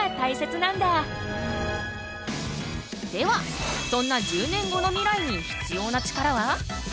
ではそんな１０年後の未来に必要なチカラは？